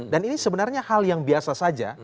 dan ini sebenarnya hal yang biasa saja